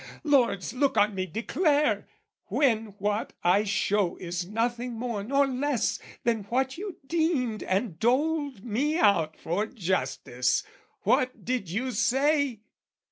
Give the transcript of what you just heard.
Lords, look on me, declare, when, what I show, Is nothing more nor less than what you deemed And doled me out for justice, what did you say?